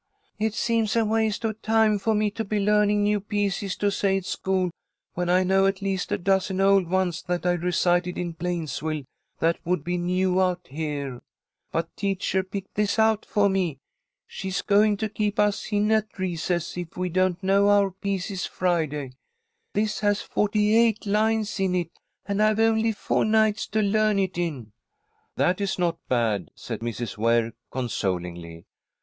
"It seems a waste of time for me to be learning new pieces to say at school when I know at least a dozen old ones that I recited in Plainsville that would be new out here. But teacher picked this out for me. She's going to keep us in at recess if we don't know our pieces Friday. This has forty eight lines in it, and I've only four nights to learn it in." "That is not bad," said Mrs. Ware, consolingly.